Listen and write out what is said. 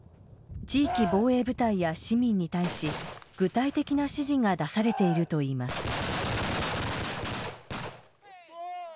地域防衛部隊や市民に対し具体的な指示が出されているといいます。